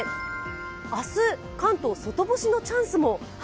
明日、関東外干しのチャンスも。